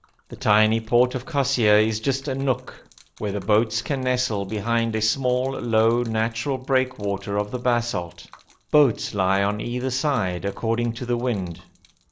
The tiny port of Kosseir is just a nook where the boats can nestle behind a small, low, natural breakwater of the basalt. Boats lie on either side, according to the wind.